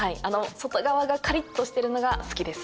外側がカリっとしているのが好きです。